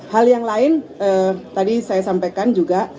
hal yang lain tadi saya sampaikan juga